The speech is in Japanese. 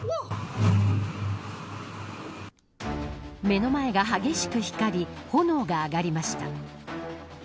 目の前が激しく光り炎が上がりました。